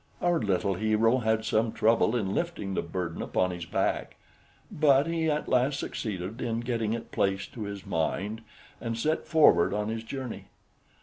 Our little hero had some trouble in lifting the burden upon his back; but he at last succeeded in getting it placed to his mind, and set forward on his journey.